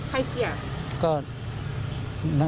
ใครเคลียร์